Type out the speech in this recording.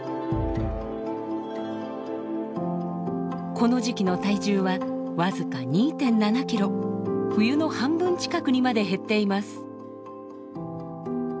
この時期の体重は僅か２．７キロ冬の半分近くにまで減っています。